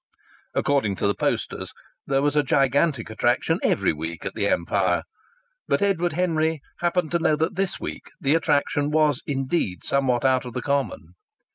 According to the posters there was a gigantic attraction every week at the Empire, but Edward Henry happened to know that this week the attraction was indeed somewhat out of the common.